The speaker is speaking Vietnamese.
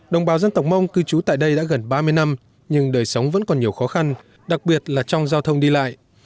đồng bào dân tộc mông cư trú tại đây đã gần ba mươi năm nhưng đời sống vẫn còn nhiều khó khăn đặc biệt là trong giao thông đi lại